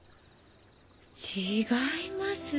違います。